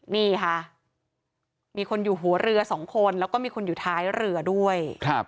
นี่ค่ะมีคนอยู่หัวเรือสองคนแล้วก็มีคนอยู่ท้ายเรือด้วย